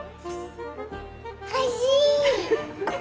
おいしい！